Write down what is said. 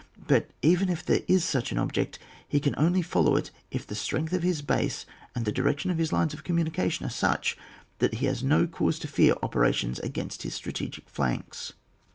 But even if there is such an object, he can only fol low it if the strength of his base and the direction of his lines of communica tion are such that he has no cause to fear operations against his strategic flanks.